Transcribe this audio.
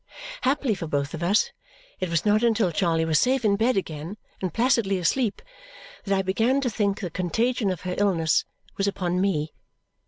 Happily for both of us, it was not until Charley was safe in bed again and placidly asleep that I began to think the contagion of her illness was upon me.